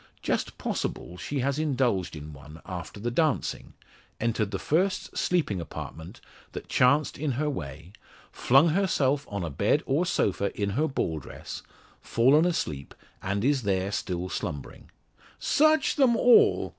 Just possible she has indulged in one after the dancing entered the first sleeping apartment that chanced in her way, flung herself on a bed or sofa in her ball dress, fallen asleep, and is there still slumbering. "Search them all!"